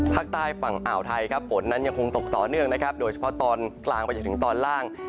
ภาคใต้ฝั่งอ่าวไทยครับฝนนั้นยังคงตกต่อเนื่องนะครับโดยเฉพาะตอนกลางไปจนถึงตอนล่าง